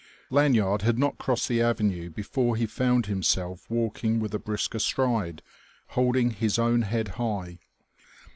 Lanyard had not crossed the Avenue before he found himself walking with a brisker stride, holding his own head high....